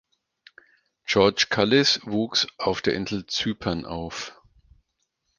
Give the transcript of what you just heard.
George Kallis wuchs auf der Insel Zypern auf.